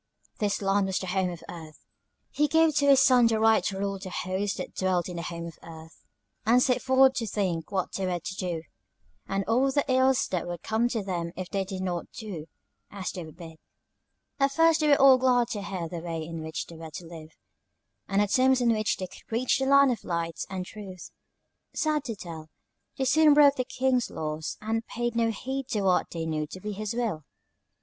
This land was the Home of Earth. He gave to his Son the right to rule the host that dwelt in the Home of Earth, and set forth to think what they were to do, and all the ills that would come to them if they did not do as they were bid. "At first they were all glad to hear the way in which they were to live, and the terms on which they could reach the Land of Light and Truth. Sad to tell, they soon broke the King's laws, and paid no heed to what they knew to be his will.